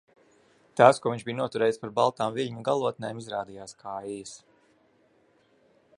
Tās, ko viņš bija noturējis par baltām viļņu galotnēm, izrādījās kaijas.